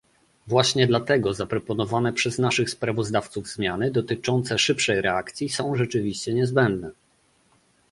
Właśnie dlatego zaproponowane przez naszych sprawozdawców zmiany dotyczące szybszej reakcji są rzeczywiście niezbędne